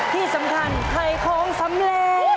ที่สำคัญใครคงสำเร็จ